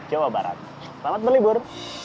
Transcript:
jawa barat selamat belibur